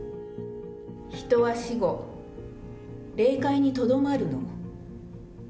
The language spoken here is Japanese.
人は死後、霊界にとどまるの。